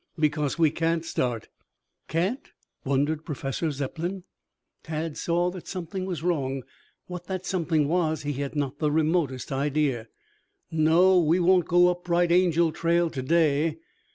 "Because we can't start." "Can't?" wondered Professor Zepplin. Tad saw that something was wrong. What that something was he had not the remotest idea. "No, we won't go up Bright Angel Trail to day."